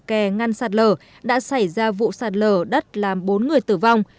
kè ngăn sạt lở đã xảy ra vụ sạt lở đất làm bốn người tử vong